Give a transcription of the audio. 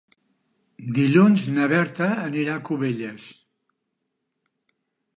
Dilluns na Berta anirà a Cubelles.